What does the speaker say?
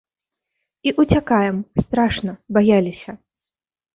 І ўцякаем, страшна, баяліся.